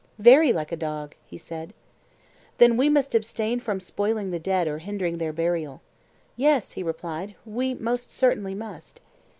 Very like a dog, he said. Then we must abstain from spoiling the dead or hindering their burial? Yes, he replied, we most certainly must.